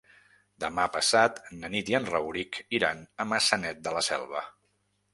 Demà passat na Nit i en Rauric iran a Maçanet de la Selva.